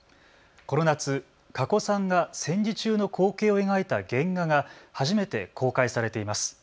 この夏、かこさんが戦時中の光景を描いた原画が初めて公開されています。